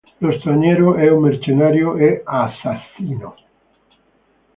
Lo Straniero è un mercenario e assassino.